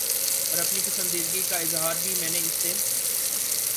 اور اپنی پسندیدگی کا اظہار بھی میں نے اس سے